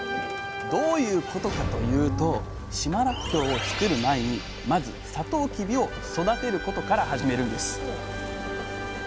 どういうことかというと島らっきょうを作る前にまずサトウキビを育てることから始めるんです。